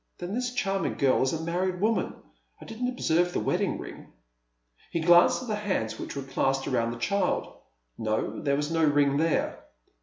" Then this charming girl is a married woman ! I didn't observe the wedding iing." He glanced at the hands which were clasped round the child. No, there was no ring there.